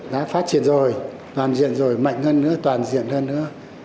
đã phát triển rồi toàn diện rồi mạnh hơn nữa toàn diện hơn nữa